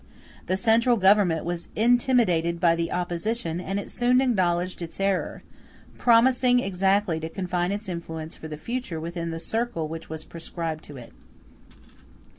The central Government was intimidated by the opposition; and it soon acknowledged its error, promising exactly to confine its influence for the future within the circle which was prescribed to it.